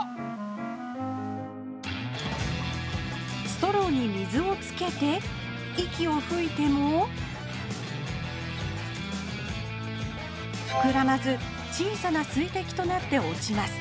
ストローに水をつけて息をふいてもふくらまず小さな水滴となって落ちます